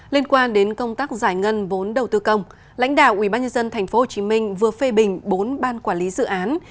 liên quan đến công tác giải ngân vốn đầu tư công lãnh đạo ubnd tp hcm vừa phê bình bốn ban quản lý dự án